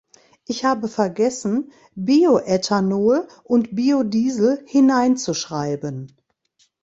Ich habe vergessen, Bioäthanol und Biodiesel hineinzuschreiben.